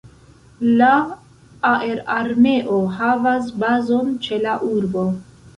La Aerarmeo havas bazon ĉe la urbo.